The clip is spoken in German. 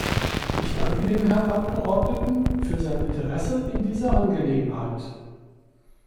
Ich danke dem Herrn Abgeordneten für sein Interesse in dieser Angelegenheit.